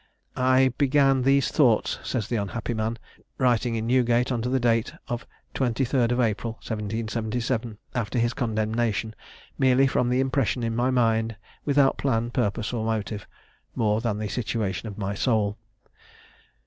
"I began these Thoughts," says the unhappy man, writing in Newgate, under date of the 23d of April, 1777, after his condemnation, "merely from the impression in my mind, without plan, purpose, or motive, more than the situation of my soul.